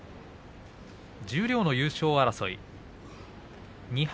十両の優勝争い２敗